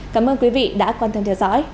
cảm ơn quý vị đã quan tâm theo dõi